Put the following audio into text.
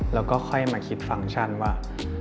แล้วก็ค่อยมาคิดฟังก์ชันว่า